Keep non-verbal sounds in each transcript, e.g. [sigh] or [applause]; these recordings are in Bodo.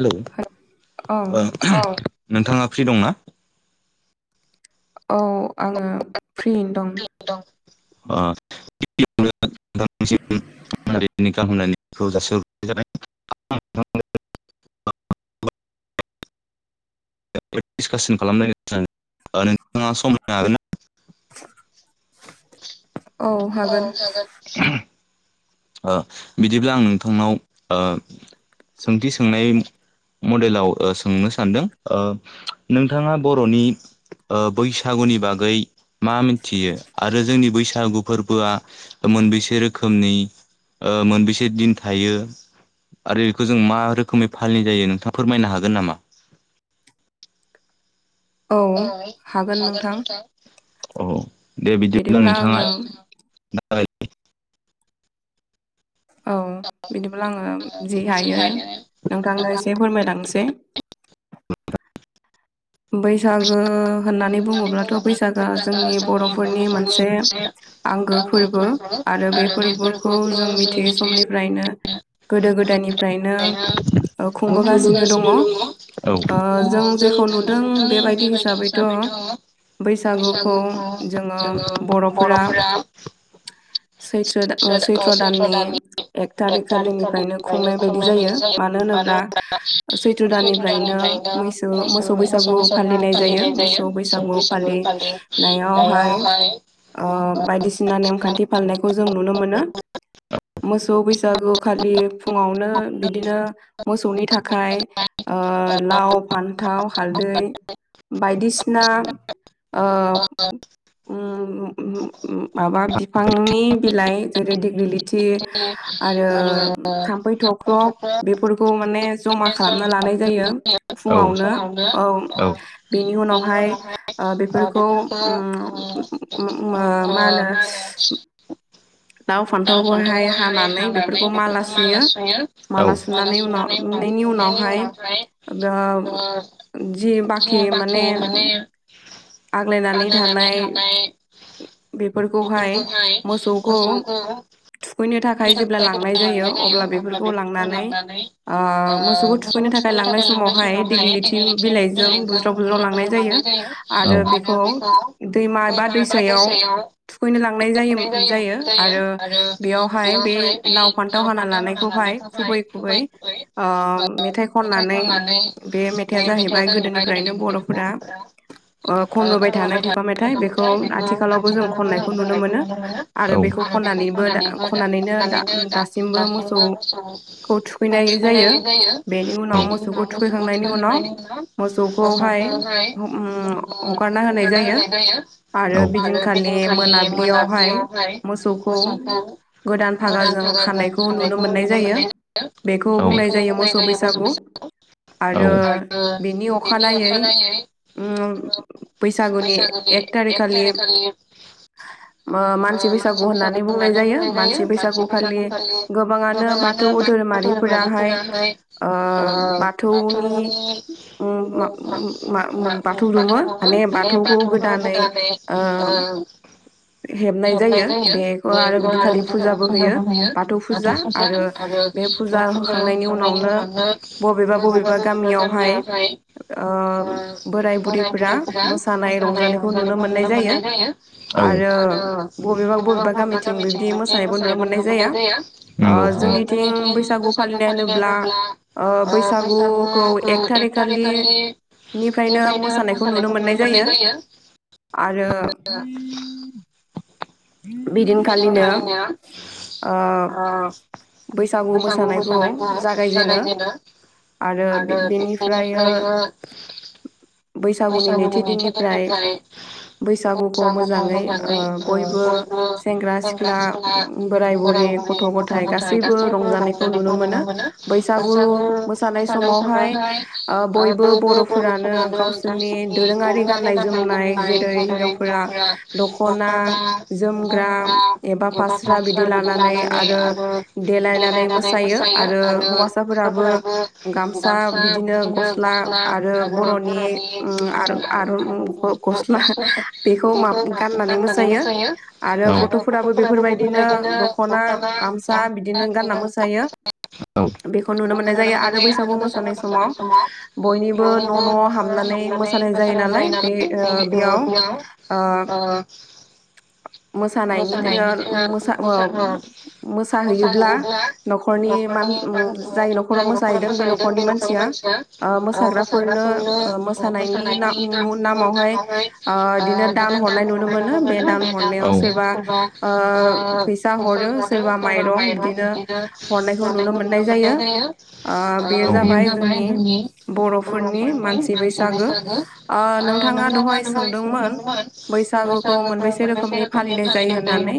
हेलौ नोंथाङा फ्रि दंना? औ आङो फ्रियैनो दं। [unintelligible] [unintelligible] [unintelligible] औ हागोन। बिदिब्ला आं नोंथांनाव सोंथि सोंनाय मडेलाव सोंनो सानदों। नोंथाङा बर'नि बैसागुनि बागै मा मिथियो आरो जोंनि बैसागु फोरबोआ मोनबेसे रोखोमनि मोनबेसे दिन थायो? आरो बेखौ जों मा रोखोमै फालिनाय जायो नोंथा फोरमायनो हागोन नामा? औ हागोन नोंथां। औ दे बिदिब्ला नोंथाङा [unintelligible] औ बिदिब्लाब्ला आङो जि हायो नोंथांनो एसे फोरमायलांसै। बैसागो होननानै बुङोब्लाथ' बैसागोआ जोंनि बर'फोरनि मोनसे आंगो फोरबो। आरो बे फोरबोखौ जों मिथियै समनिफ्रायनो गोदो गोदायनिफ्रायनो खुंबोगासिनो दङ। जों जेखौ नुदों बेबायदि हिसाबैथ' बैसागुखौ जोङो बर'फोरा सै-सैत्र' दाननि एक थारिक खालिनिफ्रायनो खुंनाय बायदि जायो। मानो होनोब्ला सैत्र दाननिफ्रायनो मैसो मोसौ बैसागो बैसागु फालिनाय जायो। मोसौ बैसागु फालिनायावहाय बायदिसिना नेमखान्थि फालिनायखौ जों नुनो मोनो। मोसौ बैसागु खालि फुङावनो बिदिनो मोसौनि थाखाय लाव, फान्थाव, हालदै बायदिसिना ओ ओ माबा बिफांनि बिलाइ जेरै- डिग्रिलि थि आरो थामफै थख्रब बेफोरखौ माने जमा खालामना लानाय जायो फुङावनो। औ बेनि उनावहाय बेफोरखौ मा होनो [unintelligible] बेफोरखौ मला सुयो। माला सुनानै सुखांनायनि उनावहाइ ओ‌ जि बाख्रि माने आग्लायनानै थानाय बेफोरखौहाय मोसौ औ। थुखैनो थाखाय जेब्ला लांनाय जायो। अब्ला बेफोरखौ लांनानै मोसौखौ थुखैनो थाखाय लांनाय समावहाय दिग्लि बिलाइजों बुज्राव बुज्राव लांनाय जायो आरो बेखौ दैमा एबा दैसायाव थुखैनो लांनाय जायो जायो आरो बेयाव ओफ्राय बे लाव, फान्थाव हाना लानायखौहाय खुबै खुबै मेथाइ खननानै। बे मेथाइआ जाहैबाय गोदोनिफ्रायनो बर'फोरा खनबोबाय थानाय खुगा मेथाइ। बेखौ आथिखालावबो जों खननायखौ नुनो मोनो। आरो बेखौ खननानैबो खननानै बेनो उनाव दासिमबो मोसौखौ थुखैनाय जायो। बेनि उनाव मोसौखौ थुखैखांनायनि उनाव मोसौखौहाय हगारना होनाय जायो। आरो बिदिनखालि मोनाबिलियावहाय मोसौखौ गोदान फागाजों खानायखौ नुनो मोननाय जायो बेखौ बुंनाय जायो मोसौ बैसागु आरो बेनि अखानायै ओम बैसागुनि एक तारिकखालि ओम मानसि बैसागु होननानै बुंनाय जायो मानसि बैसागुखालि गोबाङा ङानो बाथौ धोरोमारिफोराहाय बाथौनि औ मा मा औ बाथौखौनो [unintelligible] ओ हेबनाय जायो बेखौ आरो बिदिनखालि फुजाबो होयो बाथौ फुजा आरो फुजा होखांयनि उनावनो बबेबा बबेबा गामिआवहाय ओ बोराय बुरैफोरा मोसानाय रंजानायखौ नुनो मोननाय जायो औ आरो बबेबा बबेबा गामिथिं बिदि मोसानायबो नुनो मोननाय जायो जोंनिथिं बैसागु फालिनाय होनोब्ला ओ बैसागुखौ एक थारिखालि निफ्रायनो मोसानायखौ नुनो मोननाय जायो आरो बिदिनखालिनो ओ बैसागु मोसानायखौ जागायजेनो आरो बे बेनिफ्रायो बैसागुनि नैथि दिननिफ्राय बैसागुखौ मोजाङै ओ बयबो सेंग्रा सिख्ला बोराय बुरै गथ' गथाइ गासैबो रंजानायखौ नुनो मोनो बैसागु मोसानाय समावहाय ओ बयबो बर'फोरानो गावसो जोंनि दोरोङारि गाननाय जोमनाय जेरै हिनजावफोरा दखना जोमग्रा एबा फास्रा बिदि लानानै आरो देलायनानै मोसायो आरो हौआ साफोराबो गामसा बिदिनो गस्ला आरो बर'नि ओम आरोम आरोम ओम गस्ला बेखौ म गाननानै मोसायो आरो गथ'फोराबो बेफोरबायदिनो दख'ना गामसा बिदिनो गानना मोसायो बेखौ नुनो मोननाय जायो आरो बैसागु मोसानाय समाव बयनिबो न' न' हाबनानै मोसा सानाय जायो नालाय बे ओ बेयाव मोसानायनि [unintelligible] मोसाओ मोसाहैयोब्ला न'खरनि मान ओम जाय न'खराव मोसाहैदों बे न'खरनि मानसिया ओ मोसाग्राफोरनो ओ मोसानायनि ना उ नामावहाय ओ इदिनो दान हरनाय नुनो मोनो बे दान हरनायाव सोरबा ओ फैसा हरो सोरबा माइरं बिदिनो हरनायखौ नुनो मोननाय जायो ओ बेयो जाबाय जोंनि बर'फोरनि मानसि बैसागो ओ नोंथाङा दहाय सोंदोंमोन बैसागुखौ मोनबेसे रोखोमनि फालिनाय जायो होननानै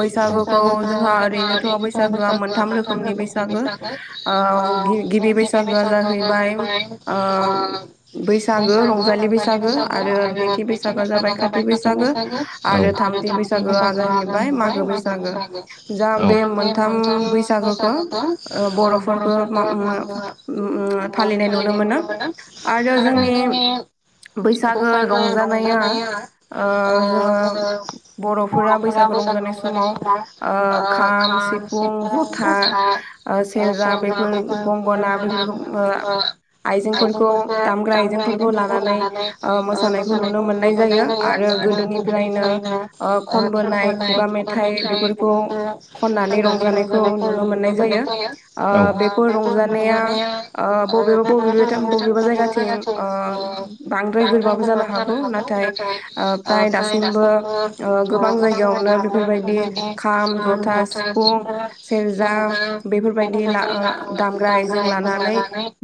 बैसागोखौ जोंहा ओरैनोथ' बैसागोआ मोनथाम रोखोमनि बैसागो गिबि बैसागोआ जाहैबाय ओ बैसागो रंजालि बैसागो आरो नैथि बैसागोआ जाबाय खाथि बैसागो औ आरो थाम थि बैसागोआनो जाहैबाय मागो बैसागो औ दा बे मोनथाम बैसागोखौ [inaudible] आरो जोंनि बैसागो रंजानाया ओ जोङो बर'फोरा बैसागो रंजानाय समाव ओ खाम सिफुं जथा ओ सेरजा बेफोर गंगना बेफोरखौ ओ आइजेंफोरखौ दामग्रा आइजेंफोरखौ लानानै ओ मोसानायखौ नुनो मोननाय जायो आरो गोदो निफ्रायनो ओ खनबोनाय खुगा मेथाइ बेफोरखौ खननानै रंजानायखौ नुनो मोननाय जायो। ओ बेफोर रंजानाया ओ बबेबा बबेबा बबेबा जायगाथिं ओ बांद्राय गोरोबाबो जानो हागौ नाथाय ओ फ्राय दासिमबो गोबां जायगायावनो बेफोरबायदि खाम जथा सिफुं सेरजा। बेफोरबायदि [unintelligible] दामग्रा आइजें लानानै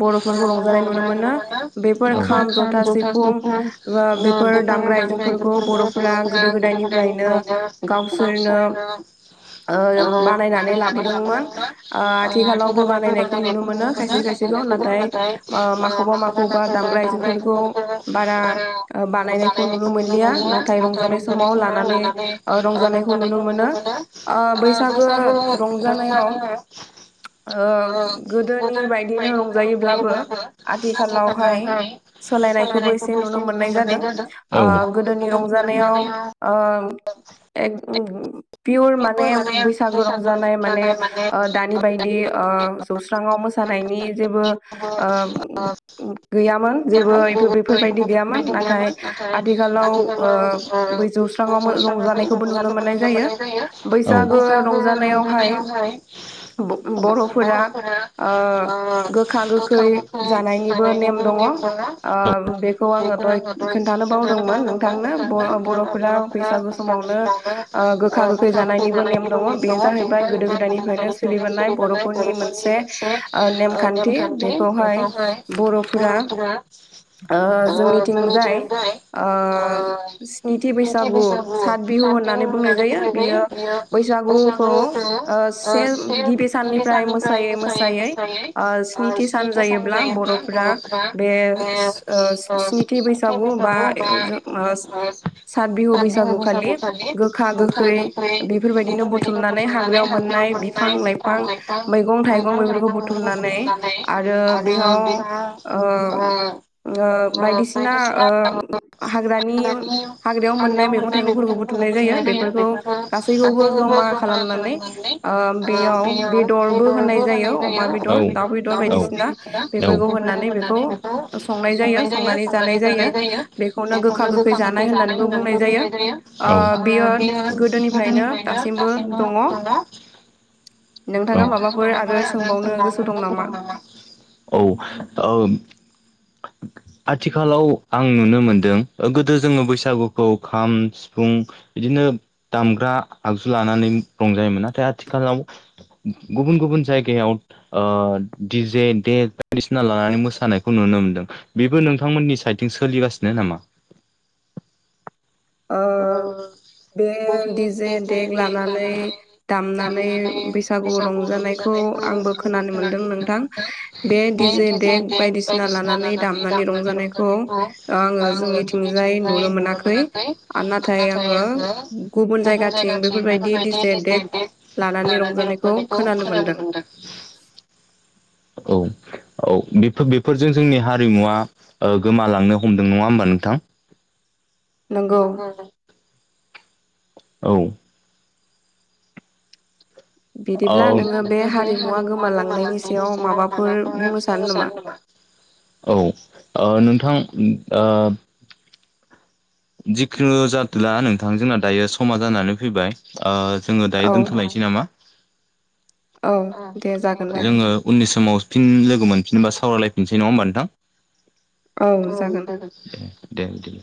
बर'फोरखौ रंजानाय नुनो मोनो। बेफोर खाम जथा सिफुं बेफोर दामग्रा आइजेंफोरखौ बर'फोरा गोदो गो दायफ्रायनो गावसोरनो ओ बानायनानै लाबोदोंमोन ओ आथिखालावबो बानायनायखौ नुनो मोनो खायसे खायसे नाथाय ओ माखौबा माखौबा दामग्रा आइजेंफोरखौ बारा ओ बानायनायखौ नुनो मोनलिया नाथाय रंजानाय [unintelligible] मना लानानै ओ रंजानायखौ नुनो मोनो ओ बैसागु रंजानो [inaudible] ओ गोदोनि बायदिनो रंजायोब्लाबो आथिखालावहाय सोलायनायखौबो एसे नुनो मोननाय जादों ओ गोदोनि रंजानायाव [unintelligible] पियुर माने बैसागु रंजानाय माने ओ दानि बायदि ओ जौस्रााव मोसानायनि जेबो ओ गैयामोन जेबो बेफोरबायदि गैयामोन नाथाय आथिखालाव ओ बै जौस्राङाव रंजानायखौबो नुनो मोननाय जायो। जायो बैसागो रंजानायावहाय बर'फोरा ओ गोखा गोखै जानायनिबो नेम दङ। [unintelligible] [unintelligible] ओ बुखा बुखि जानायनिबो नेम दङ बेफ्राय बे गोदो गोदायनिफ्रायनो सोलिबोनाय बर'फोरनि मोनसे ओ नेखान्थि [unintelligible] बर'फोरा ओ जोंनिथिंजाय ओ [unintelligible] बैसागु खौ से [unintelligible] मोसायै मोसायै [unintelligible] सखि बैसागु बा सात बिहु बैसागु खालि खा गोखै बेफोरबायदिखौ बुथुमनानै हाग्रायाव मोननाय बिफां लाइफां मैगं थाइगं बेफोरखौ बुथुमनानै आरो बेहा ओ [unintelligible] [unintelligible] मोननाय मैगं थायगं फोरखौ बुथुमनाय जायो [unintelligible] गासैखौबो जमा खालामनानै ओ बेयाव बेदरबो होनाय जायो। [unintelligible] बेखौनो गोखा गोखै जानाय होननानैबो बुंनाय जायो ओ बियो गोदोनिफ्रायनो दासिमबो दङ। नोंथाङा माबाफोर आरो सोंबावनो गोसो दं नामा। औ ओ आथिखालाव आं नुनो मोनदों गोदो जोङो बैसागुखौ खाम सिफुं बिदिनो दामग्रा आगजु लानानै रंजायोमोन नाथाय आथिखालाव गुबुन गुबुन जायगायाव ओ दि जे देग बायदिसिना लानानै मोसानायखौ नुनो मोनदों। बेबो नोंथांमोननि साइडथिं सोलिगासिनो नामा। ओ बे दिजे देग लानानै दामनानै बैसागु रंजानाय खौ आंबो खोनानो मोनदों नोंथां बे दिजे देक बायदिसिना लानानै दामनानै रंजानायखौ आङो जोंनिथिंजाय नुनो मोनाखै। आम नाथाय आङो गुबुन जायगाथिं बेफोरबायदि दिसे दे लानानै रंजानायखौ खोनानो मोनदों। औ औ बिफोर बेफोरजों जोंनि हारिमुवा गोमालांनो हमदों नङा होमबा नोंथां? नोंगौ औ बिदिब्ला नोङो बे हारिमुवा गोमालांनायनिसायाव माबाफोर बुंनो सानो नामा? औ ओ नोंथां दा जिखो् जादोया नोंथां जोंना दायो समा जानानै फैबाय ओ जोङो दायो दोनथ'लायनोसै नामा जोङो उननि समाव फिन लोगो मोनफिनबा सावरायलायफिनसै नङा होमबा नोंथां दे बिदिब्ला